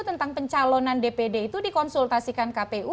tentang pencalonan dpd itu dikonsultasikan kpu